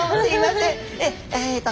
えっと